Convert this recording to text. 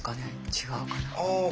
違うかな。